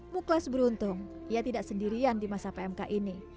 muklas beruntung ia tidak sendirian di masa pmk ini